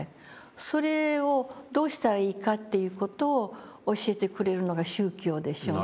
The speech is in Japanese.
それをどうしたらいいかという事を教えてくれるのが宗教でしょうね。